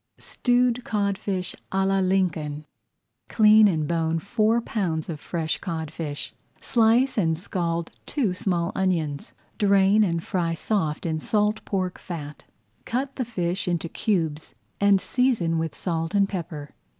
STEWED CODFISH À LA LINCOLN Clean and bone four pounds of fresh codfish. Slice and scald two small onions, drain and fry soft in salt pork fat. Cut the fish into cubes and season with salt and pepper.